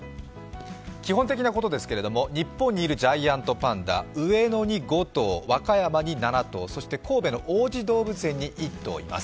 基本的なことですけれども、日本にいるジャイアントパンダ、上野に５頭、和歌山に７頭、神戸の王子動物園に１頭います。